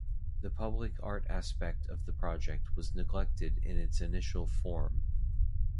The public art aspect of the project was neglected in its initial form.